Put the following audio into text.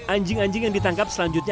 anjing anjing yang ditangkap selanjutnya